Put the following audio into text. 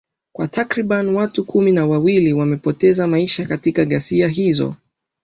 kwa takriban watu kumi na wawili wamepoteza maisha katika ghasia hizo